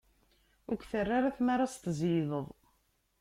Ur k-terra ara tmara ad s-tzeyydeḍ.